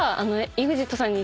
ＥＸＩＴさんの。